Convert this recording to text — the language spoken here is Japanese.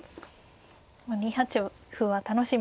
２八歩は楽しみに。